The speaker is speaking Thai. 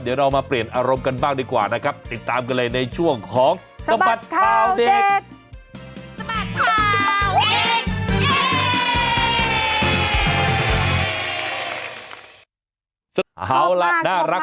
เดี๋ยวเรามาเปลี่ยนอารมณ์กันบ้างดีกว่านะครับติดตามกันเลยในช่วงของสบัดข่าวเด็กสมัครข่าว